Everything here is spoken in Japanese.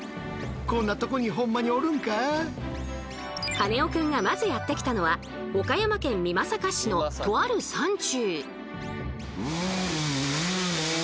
カネオくんがまずやって来たのは岡山県美作市のとある山中。